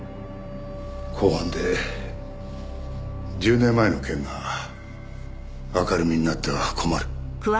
公判で１０年前の件が明るみになっては困る。